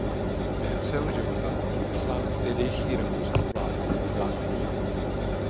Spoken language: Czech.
Během svého života byl vyslán tehdejší rakouskou vládou na dálný východ.